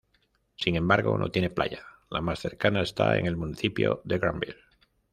Sin embargo no tiene playa, la más cercana está en el municipio de Granville.